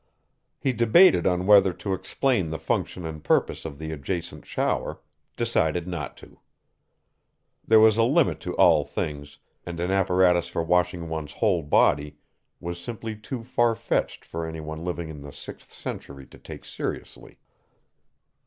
He debated on whether to explain the function and purpose of the adjacent shower, decided not to. There was a limit to all things, and an apparatus for washing one's whole body was simply too farfetched for anyone living in the sixth century to take seriously.